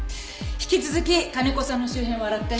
引き続き金子さんの周辺を洗って。